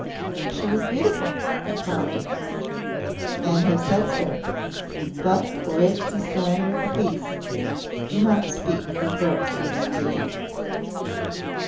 "She was beautiful?" I prompted. "Men have said so, but for it he surrendered the Peace. Do not speak of her accursed beauty."